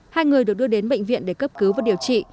hai người được đưa đến bệnh viện để cấp cứu và điều trị